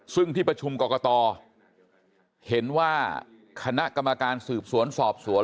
ซึ่งที่ประชุมกรกตเห็นว่าคณะกรรมการสืบสวนสอบสวน